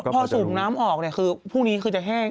พอสูบน้ำออกพรุ่งนี้คือจะแห้ง